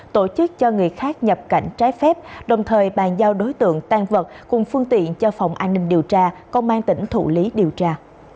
tổ chức cho người khác nhập cảnh trái phép đồng thời bàn giao đối tượng tan vật cùng phương tiện cho phòng an ninh điều tra công an tỉnh thủ lý điều tra